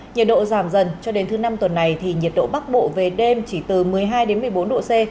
nhiệt độ giảm dần cho đến thứ năm tuần này thì nhiệt độ bắc bộ về đêm chỉ từ một mươi hai đến một mươi bốn độ c